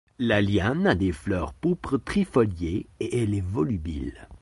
La liane a des fleurs pourpres trifoliolée et elle est volubile.